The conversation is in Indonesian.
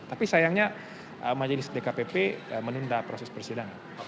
tapi sayangnya majelis dkpp menunda proses persidangan